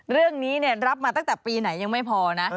เรื่องนี้รับมาตั้งแต่ปีไหนยังไม่พอนะ